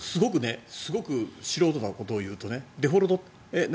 すごく素人なことを言うとデフォルトって何？